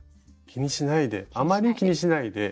気にしないであまり気にしないで。